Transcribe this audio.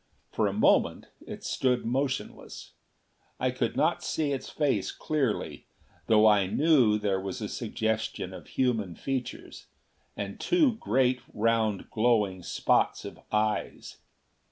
For a moment it stood motionless. I could not see its face clearly, though I knew there was a suggestion of human features, and two great round glowing spots of eyes.